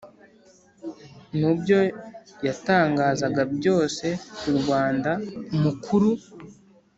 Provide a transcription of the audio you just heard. mu byo yatangazaga byose ku rwanda, umukuru